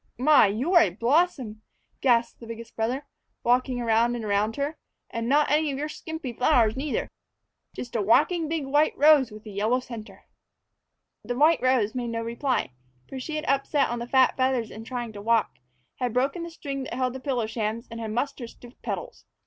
"My, you're a blossom!" gasped the biggest brother, walking around and around her; "an' not any of your skimpy flowers, neither; just a whacking big white rose with a yellow center!" The white rose made no reply, for she had upset on the fat feathers in trying to walk, had broken the string that held the pillow shams, and had mussed her stiff petals.